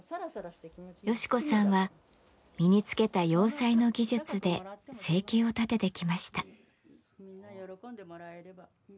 ヨシ子さんは身につけた洋裁の技術で生計を立ててきました。